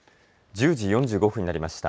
１０時４５分になりました。